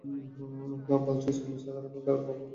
বলছে স্কুলের ছাত্রদের উপর খারাপ প্রভাব পড়ছে।